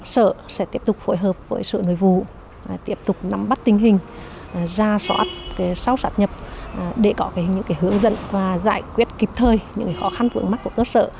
sở sẽ tiếp tục phối hợp với sở nội vụ tiếp tục nắm bắt tình hình ra soát sau sát nhập để có những hướng dẫn và giải quyết kịp thời những khó khăn vướng mắt của cơ sở